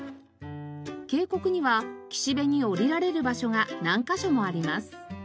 渓谷には岸辺に下りられる場所が何カ所もあります。